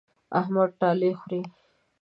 احمد اټالۍ خوري.